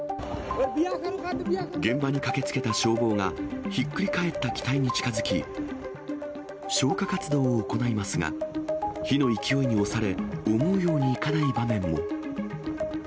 現場に駆けつけた消防が、ひっくり返った機体に近づき、消火活動を行いますが、火の勢いに押され、思うようにいかない場面も。